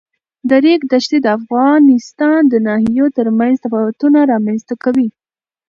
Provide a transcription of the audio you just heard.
د ریګ دښتې د افغانستان د ناحیو ترمنځ تفاوتونه رامنځ ته کوي.